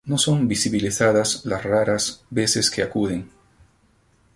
No son visivilizadas las raras veces que acuden